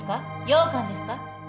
ようかんですか？